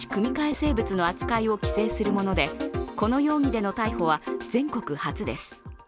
生物の扱いを規制するものでこの容疑での逮捕は全国初です。